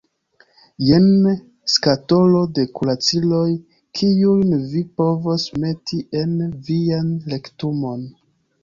Jen skatolo de kuraciloj kiujn vi povos meti en vian rektumon.